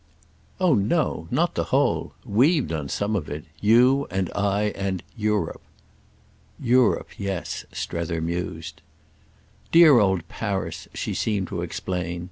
"Oh no—not the whole. We've done some of it. You and I and 'Europe.'" "Europe—yes," Strether mused. "Dear old Paris," she seemed to explain.